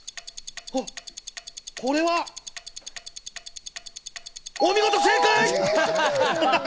おっ、これは、お見事、正解！